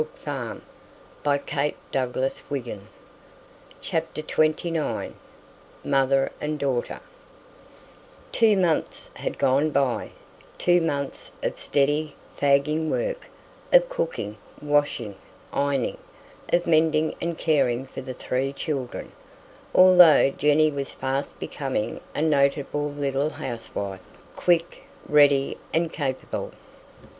Now if you'll draw down the curtin, I'll try to sleep." XXIX MOTHER AND DAUGHTER Two months had gone by, two months of steady, fagging work; of cooking, washing, ironing; of mending and caring for the three children, although Jenny was fast becoming a notable little housewife, quick, ready, and capable.